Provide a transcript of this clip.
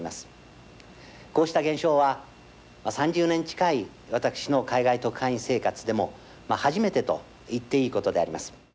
こうした現象は３０年近い私の海外特派員生活でも初めてといっていいことであります。